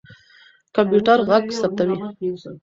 کمپيوټر ږغ ثبتوي.